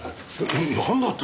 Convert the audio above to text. なんだって？